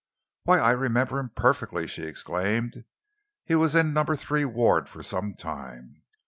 "Why, I remember him perfectly," she exclaimed. "He was in Number Three Ward for some time.